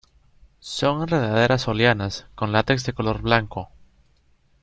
Son enredaderas o lianas, con látex de color blanco.